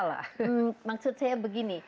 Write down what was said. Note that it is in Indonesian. lah maksud saya begini